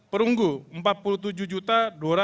perunggu empat puluh tujuh juta